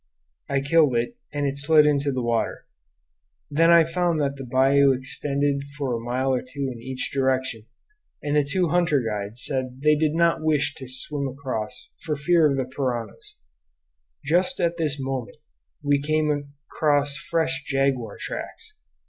I killed it, and it slid into the water. Then I found that the bayou extended for a mile or two in each direction, and the two hunter guides said they did not wish to swim across for fear of the piranhas. Just at this moment we came across fresh jaguar tracks.